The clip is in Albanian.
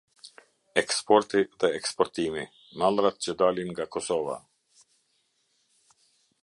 Eksporti dhe eksportimi - mallrat që dalin nga Kosova.